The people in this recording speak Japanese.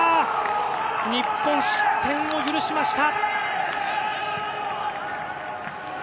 日本、失点を許しました！